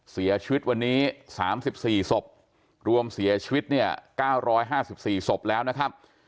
เสียชีวิตวันนี้๓๔ศพรวมเสียชีวิตเนี่ย๙๕๔ศพแล้วนะครับ